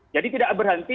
jadi tidak berhenti